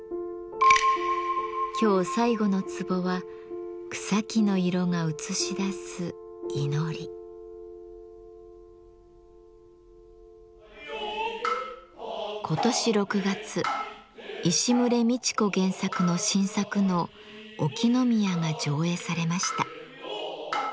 今日最後のツボは今年６月石牟礼道子原作の新作能「沖宮」が上演されました。